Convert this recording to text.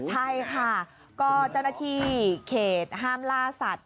ใช่ค่ะก็เจ้าหน้าที่เขตห้ามล่าสัตว